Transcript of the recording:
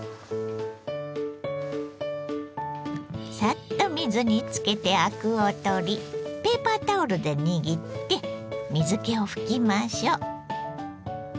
サッと水につけてアクを取りペーパータオルで握って水けを拭きましょう。